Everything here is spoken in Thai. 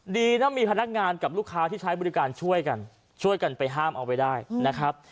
ดีนะมีพนักงานกับลูกค้าที่ใช้บริการช่วยกันช่วยกันไปห้ามเอาไว้ได้นะครับ